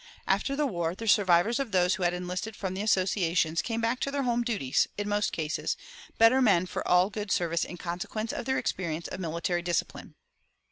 After the war the survivors of those who had enlisted from the Associations came back to their home duties, in most cases, better men for all good service in consequence of their experience of military discipline.